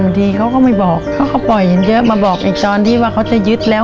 บางทีเขาก็ไม่บอกเขาก็ปล่อยเยอะมาบอกไอ้จรที่ว่าเขาจะยึดแล้ว